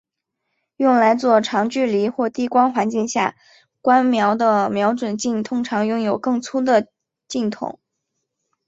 用来做长距离或低光环境下观瞄的瞄准镜通常拥有更粗的镜筒。